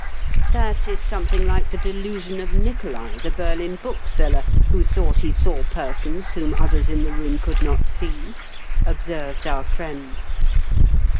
" That is something like the delusion of Nicolai, the Berlin bookseller, who thought he saw persons whom others in the room could not see," observed our friend.